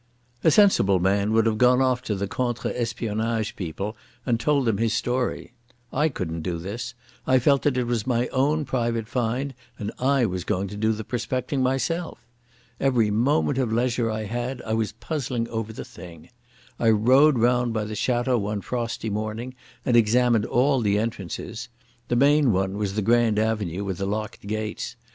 A sensible man would have gone off to the contre espionage people and told them his story. I couldn't do this; I felt that it was my own private find and I was going to do the prospecting myself. Every moment of leisure I had I was puzzling over the thing. I rode round by the Château one frosty morning and examined all the entrances. The main one was the grand avenue with the locked gates.